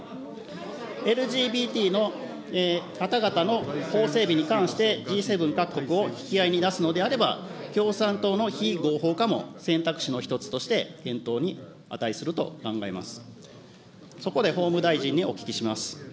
ＬＧＢＴの方々の法整備に関してＧ７各国を引き合いに出すのであれば、共産党の非合法化も選択肢の一つとして検討に値すると考えます。